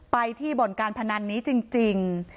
ไปที่บ่อนการพนันนี้จริง